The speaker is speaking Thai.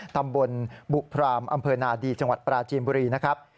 ตำบลบุพรามอำเภอนาดีจังหวัดปราจีนบุรีนะครับ